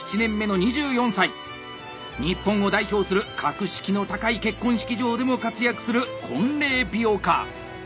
日本を代表する格式の高い結婚式場でも活躍する婚礼美容家。